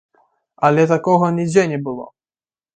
Але такога нідзе не было.